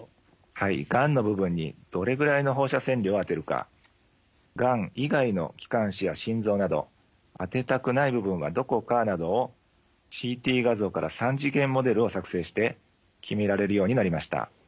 がんの部分にどれぐらいの放射線量を当てるかがん以外の気管支や心臓など当てたくない部分はどこかなどをＣＴ画像から３次元モデルを作成して決められるようになりました。